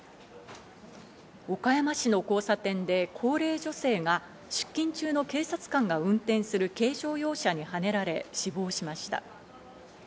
岡山市の交差点で高齢女性が出勤中の警察官が運転する軽乗用車にはねられ死亡しました。